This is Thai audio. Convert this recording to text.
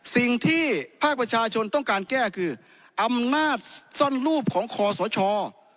สิ่งที่ภาคประชาชนต้องการแก้คืออำนาจซ่อนรูปของคอสช